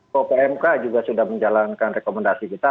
pupmk juga sudah menjalankan rekomendasi kita